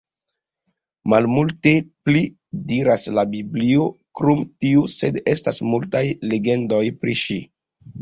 Malmulte pli diras la Biblio krom tio, sed estas multaj legendoj pri ŝi.